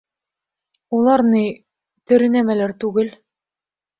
— Улар ни... тере нәмәләр түгел.